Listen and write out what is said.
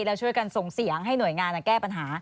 แล้วช่วยกันส่งเสียงให้หน่วยงานแก้ปัญหา